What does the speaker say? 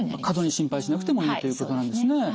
過度に心配しなくてもいいということなんですね。